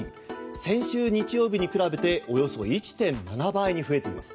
先週日曜日に比べておよそ１．７倍に増えています。